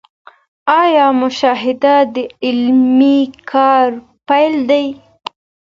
آيا مشاهده د علمي کار پيل دی؟